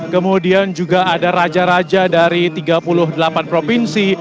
kemudian juga ada raja raja dari tiga puluh delapan provinsi